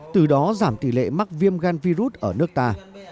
từ đó giảm tỷ lệ mắc viêm gan virus ở nước ta